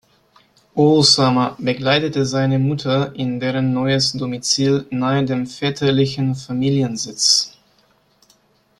Osama begleitete seine Mutter in deren neues Domizil nahe dem väterlichen Familiensitz.